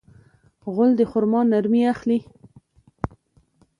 غول د خرما نرمي اخلي.